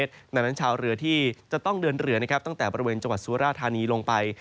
ดังนั้นชาวเรือที่จะต้องเดินเรือตั้งแต่บริเวณจังหวัดสุราธานีลงไป